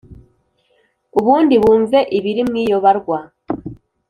ubundi bumve ibiri mwiyo barwa.